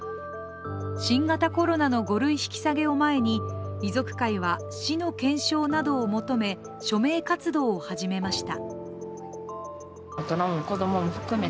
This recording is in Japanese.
新型コロナの５類引き下げを前に、遺族会は死の検証などを求め署名活動を始めました。